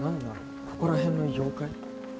ここら辺の妖怪？